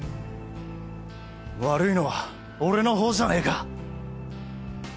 悪いのは俺のほうじゃねえか！